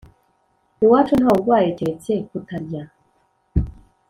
iwacu ntawurwaye keretse kutarya